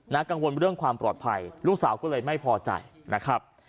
กังวลเรื่องความปลอดภัยลูกสาวก็เลยไม่พอใจนะครับ